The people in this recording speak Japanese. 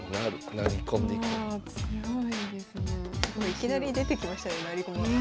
いきなり出てきましたね成り駒。